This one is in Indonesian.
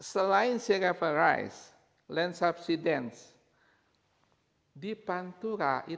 selain serapa rice land subsidence di pantura itu tanyanya aluvial